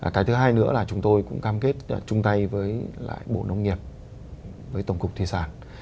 cái thứ hai nữa là chúng tôi cũng cam kết chung tay với lại bộ nông nghiệp với tổng cục thủy sản